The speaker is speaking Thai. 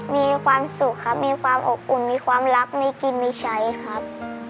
มีความสุขครับมีความอบอุ่นมีความรักมีกินมีใช้ครับ